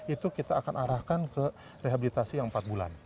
itu kita akan arahkan ke rehabilitasi yang empat bulan